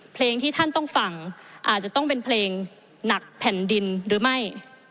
เพลงที่ท่านต้องฟังอาจจะต้องเป็นเพลงหนักแผ่นดินหรือไม่